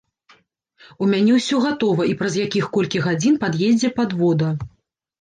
У мяне ўсё гатова, і праз якіх колькі гадзін пад'едзе падвода.